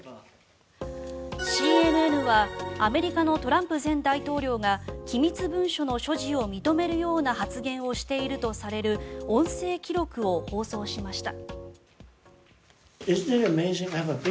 ＣＮＮはアメリカのトランプ前大統領が機密文書の所持を認めるような発言をしているとされる音声記録を放送しました。